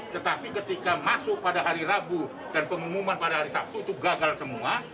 tetapi ketika masuk pada hari rabu dan pengumuman pada hari sabtu itu gagal semua